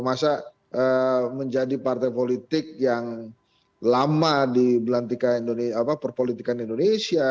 masa menjadi partai politik yang lama di belantikan perpolitikan indonesia